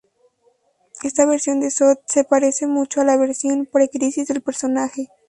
Esta versión de Zod se parece mucho a la versión pre-"Crisis" del personaje.